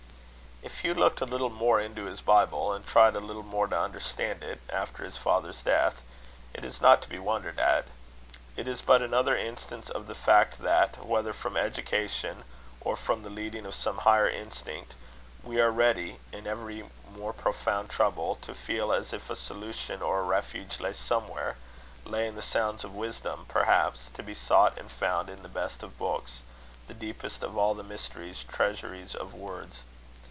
If Hugh looked a little more into his Bible, and tried a little more to understand it, after his father's death, it is not to be wondered at. It is but another instance of the fact that, whether from education or from the leading of some higher instinct, we are ready, in every more profound trouble, to feel as if a solution or a refuge lay somewhere lay in sounds of wisdom, perhaps, to be sought and found in the best of books, the deepest of all the mysterious treasuries of words.